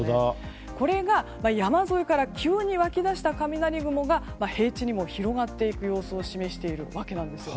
これが山沿いから急に湧き出した雷雲が平地にも広がっていく様子を示しているわけなんですよ。